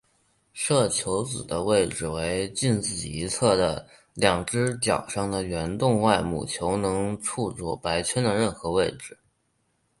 射球子的位置为近自己一侧的两只角上的圆洞外母球能触着白圈的任何位置。